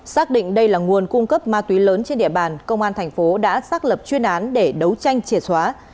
xác định đây là nguồn cung cấp ma túy lớn trên địa bàn công an thành phố đã xác lập chuyên án để đấu tranh triệt xóa